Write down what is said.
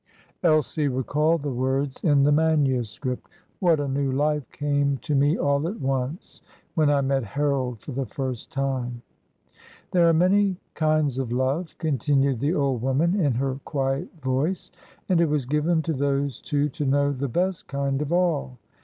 Elsie recalled the words in the manuscript, "What a new life came to me all at once when I met Harold for the first time!" "There are many kinds of love," continued the old woman in her quiet voice, "and it was given to those two to know the best kind of all.